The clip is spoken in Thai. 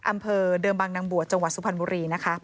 อำเภอเดิมบางนางบวชจังหวัดสุพรรณบุรีนะคะ